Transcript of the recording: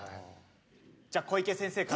じゃあ小池先生から。